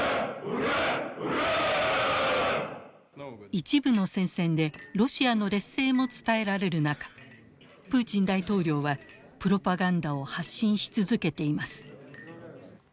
一部の戦線でロシアの劣勢も伝えられる中プーチン大統領はプロパガンダを発信し続けています。